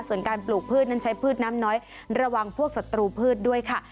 ส่วนการปลูกพืชนั้นใช้พืชน้ำน้อยระวังพวกศัตรูพืชด้วยค่ะ